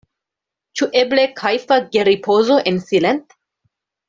Ĉu eble kajfa geripozo en silent?